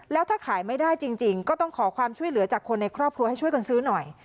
แล้วถ้าขายไม่ได้จริงก็ต้องขอความช่วยเหลือจากคนในครอบครัวให้ช่วยกันซื้อหน่อย